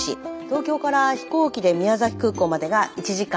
東京から飛行機で宮崎空港までが１時間４０分。